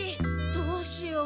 どうしよう。